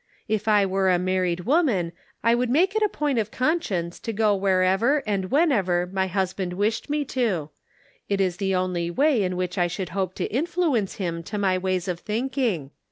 If I were a married woman I would make it a point of conscience to go wherever and whenever my husband wished me to ; it is the only way in which I should hope to influ ence him to my ways of thinking.